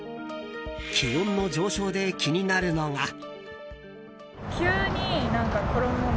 気温の上昇で気になるのが。